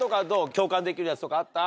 共感できるやつとかあった？